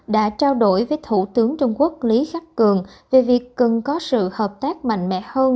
đã trao đổi với thủ tướng trung quốc lý khắc cường về việc cần có sự hợp tác mạnh mẽ hơn